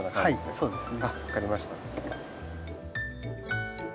そうですね。